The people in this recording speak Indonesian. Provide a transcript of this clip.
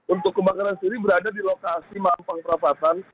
untuk kebakaran sendiri berada di lokasi mampang perapatan